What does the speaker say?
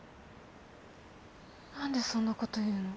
何でそんなこと言うの？